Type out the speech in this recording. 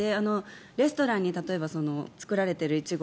レストランに作られているイチゴ